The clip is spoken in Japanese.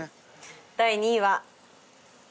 第２位は。